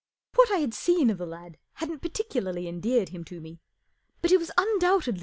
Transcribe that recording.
What I had seen of the lad hadn't particularly endeared him to me, but it.was.undcmbt^ly.